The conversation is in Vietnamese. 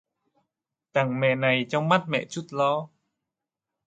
Tặng mẹ này trong mắt mẹ chút lo